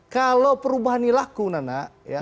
kalau perubahan nilaku nana